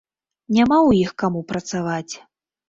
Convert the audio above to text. Няма ў іх каму працаваць.